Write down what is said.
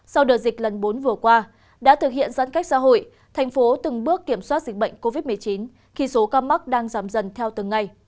sau đợt dịch lần bốn vừa qua đã thực hiện giãn cách xã hội thành phố từng bước kiểm soát dịch bệnh covid một mươi chín khi số ca mắc đang giảm dần theo từng ngày